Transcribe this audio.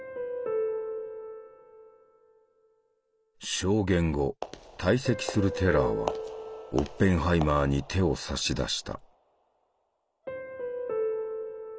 証言後退席するテラーはオッペンハイマーに手を差し出した。